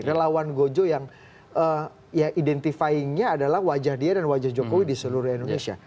relawan gojo yang identifingnya adalah wajah dia dan wajah jokowi di seluruh indonesia